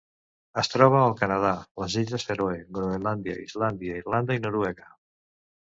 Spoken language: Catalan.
Es troba al Canadà, les illes Fèroe, Groenlàndia, Islàndia, Irlanda i Noruega.